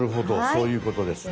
そういうことですね。